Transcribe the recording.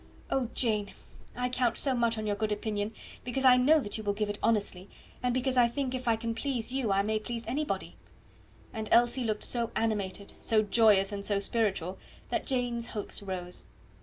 "Oh, Jane, I count so much on your good opinion, because I know that you will give it honestly, and because I think if I can please you I may please anybody." And Elsie looked so animated, so joyous, and so spiritual, that Jane's hopes rose.